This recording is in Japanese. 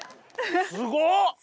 すごっ！